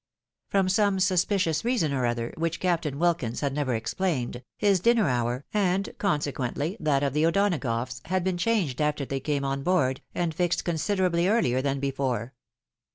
From some suspicious reason or other, which Captain "W'ilkins had never explained, his dinner hour, and consequently that of the O'Donagoughs, had been changed after they came on board, and fixed considerably earlier than before.